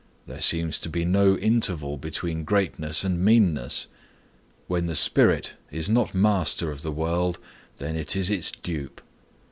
There seems to be no interval between greatness and meanness. When the spirit is not master of the world, then it is its dupe.